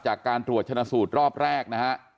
จากการตรวจชนะสูตรรอบแรกนะฮะ